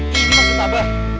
ini mah kita abah